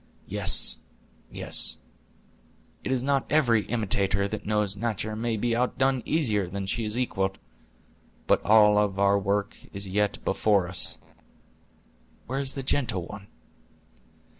Yes, yes; it is not every imitator that knows natur' may be outdone easier than she is equaled. But all our work is yet before us. Where is the gentle one?"